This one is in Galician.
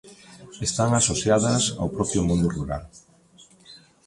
Están asociadas ao propio mundo rural.